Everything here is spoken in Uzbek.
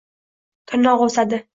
Tirnog‘i o‘sadi